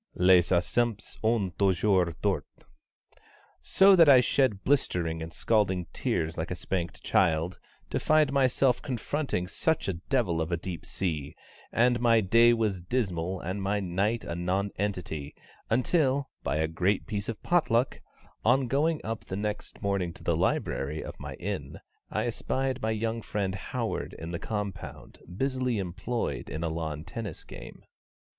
les absents ont toujours tort. So that I shed blistering and scalding tears like a spanked child, to find myself confronting such a devil of a deep sea, and my day was dismal and my night a nonentity, until, by a great piece of potluck, on going up the next morning to the library of my Inn, I espied my young friend HOWARD in the compound, busily employed in a lawn tennis game.